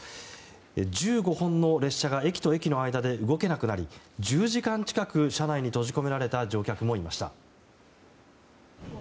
１５本の列車が駅と駅の間で動けなくなり１０時間近く車内に閉じ込められた乗客もいました。